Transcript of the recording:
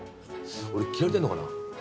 俺嫌われてんのかな？